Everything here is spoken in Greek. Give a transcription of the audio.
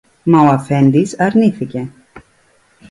Μα ο αφέντης αρνήθηκε.